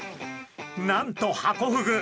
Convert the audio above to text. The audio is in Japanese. なんとハコフグ！